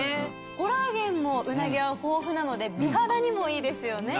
コラーゲンもうなぎは豊富なので美肌にもいいですよね。